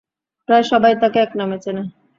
প্রায় সবাই তাকে একনামে চেনে।